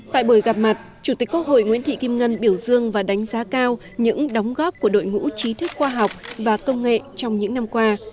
tại buổi gặp mặt chủ tịch quốc hội nguyễn thị kim ngân biểu dương và đánh giá cao những đóng góp của đội ngũ trí thức khoa học và công nghệ trong những năm qua